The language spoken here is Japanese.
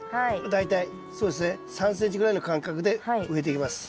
大体そうですね３ｃｍぐらいの間隔で植えていきます。